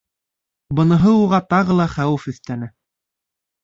Быныһы уға тағы ла хәүеф өҫтәне.